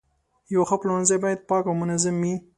یو ښه پلورنځی باید پاک او منظم وي.